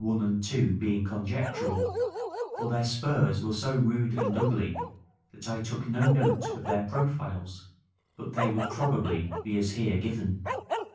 1 and 2 being conjectural, for their spurs were so rude and ugly, that I took no note of their profiles; but they would probably be as here given.